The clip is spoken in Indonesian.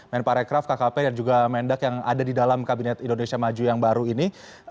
men parekraf kkp dan juga mendak yang ada di dalam kabinet indonesia maju yang baru ini